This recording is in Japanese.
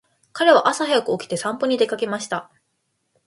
彼は朝早く起きて散歩に出かけました。